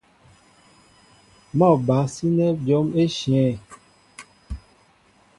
Mɔ́ a ba sínɛ́ jǒm éshe.